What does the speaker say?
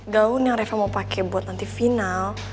gaun yang reva mau pakai buat nanti final